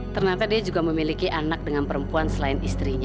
ternyata dia juga memiliki anak dengan perempuan selain istrinya